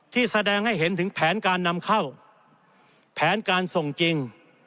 แสดงให้เห็นถึงแผนการนำเข้าแผนการส่งจริง